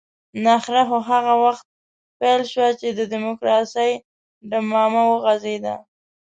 نخره خو هغه وخت پيل شوه چې د ډيموکراسۍ ډمامه وغږېده.